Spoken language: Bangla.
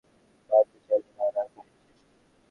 মারতে চাইলে মার, আর কাহিনী শেষ কর।